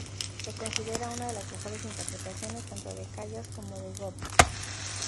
Se considera una de las mejores interpretaciones tanto de Callas como de Gobbi.